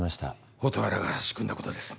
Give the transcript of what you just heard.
蛍原が仕組んだことです。